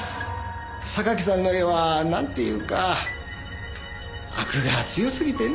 榊さんの絵は何ていうかアクが強すぎてねえ。